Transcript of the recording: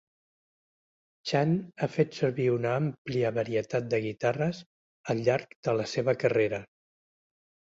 Chan ha fet servir una àmplia varietat de guitarres al llarg de la seva carrera.